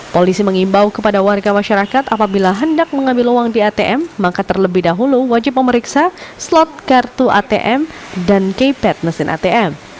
polisi mengimbau kepada warga masyarakat apabila hendak mengambil uang di atm maka terlebih dahulu wajib memeriksa slot kartu atm dan keypad mesin atm